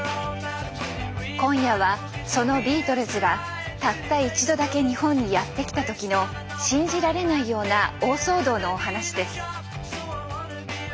今夜はそのビートルズがたった一度だけ日本にやってきた時の信じられないような大騒動のお話です。